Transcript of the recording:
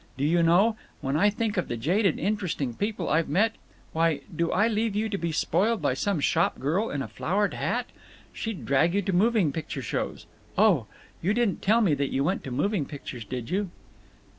Do you know, when I think of the jaded Interesting People I've met—Why do I leave you to be spoiled by some shop girl in a flowered hat? She'd drag you to moving picture shows…. Oh! You didn't tell me that you went to moving pictures, did you?"